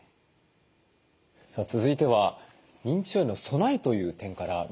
続いては認知症への備えという点から見ていきます。